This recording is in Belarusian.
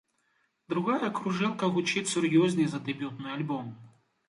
Другая кружэлка гучыць сур'ёзней за дэбютны альбом.